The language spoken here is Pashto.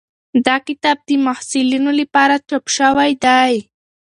دا کتاب د محصلینو لپاره چاپ شوی دی.